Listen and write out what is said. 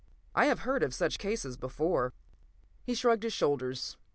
I have heard of such cases before." He shrugged his shoulders.